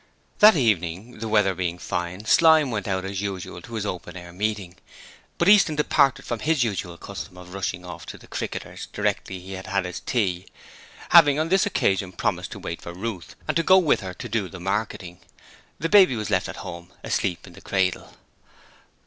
That evening, the weather being fine, Slyme went out as usual to his open air meeting, but Easton departed from HIS usual custom of rushing off to the 'Cricketers' directly he had had his tea, having on this occasion promised to wait for Ruth and to go with her to do the marketing. The baby was left at home alone, asleep in the cradle.